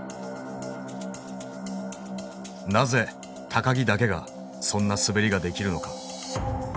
なぜ木だけがそんな滑りができるのか。